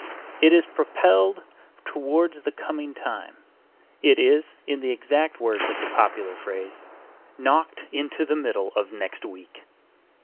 It is propelled towards the coming time; it is, in the exact words of the popular phrase, knocked into the middle of next week.